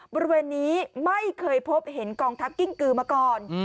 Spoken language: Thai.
บริเวณนี้ไม่เคยพบเห็นกองทัพกิ้งกือมาก่อน